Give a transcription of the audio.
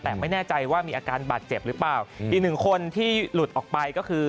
แต่ไม่แน่ใจว่ามีอาการบาดเจ็บหรือเปล่าอีกหนึ่งคนที่หลุดออกไปก็คือ